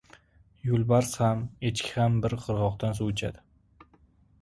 • Yo‘lbars ham, echki ham bir qirg‘oqdan suv ichadi.